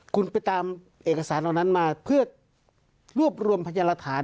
คุณไปตามเอกสารเหล่านั้นมาเพื่อรวบรวมพยานหลักฐาน